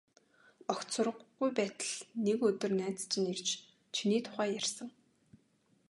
Огт сураггүй байтал нэг өдөр найз чинь ирж, чиний тухай ярьсан.